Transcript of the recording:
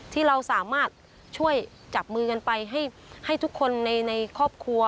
ที่เราสามารถช่วยจับมือกันไปให้ทุกคนในครอบครัว